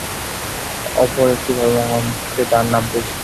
অপর একটি ধর্মগ্রন্থে তার নাম পুষ্টি।